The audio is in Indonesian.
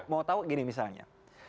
mau tahu gini misalnya